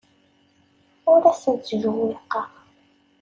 Ur asen-ttjewwiqeɣ.